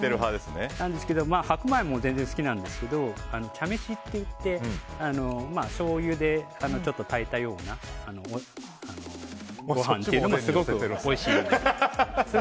白米も全然好きなんですけど茶飯っていってしょうゆでちょっと炊いたようなご飯というのもすごくおいしいです。